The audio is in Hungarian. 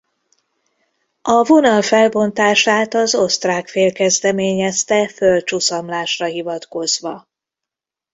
A vonal felbontását az osztrák fél kezdeményezte földcsuszamlásra hivatkozva.